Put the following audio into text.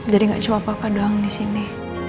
jadi gak cuma papa doang disini